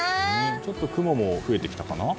ちょっと雲も増えてきたかな。